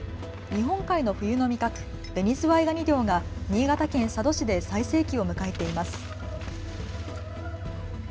日本海の冬の味覚、ベニズワイガニ漁が新潟県佐渡市で最盛期を迎えています。